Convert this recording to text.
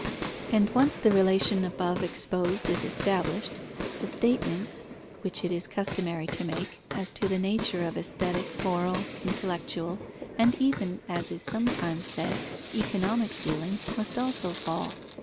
And once the relation above exposed is established, the statements, which it is customary to make, as to the nature of aesthetic, moral, intellectual, and even, as is sometimes said, economic feelings, must also fall.